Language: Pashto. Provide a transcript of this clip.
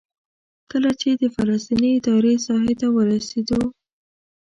کله چې د فلسطیني ادارې ساحې ته ورسېدو.